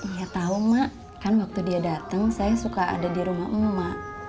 ya tau mak kan waktu dia datang saya suka ada di rumah emak emak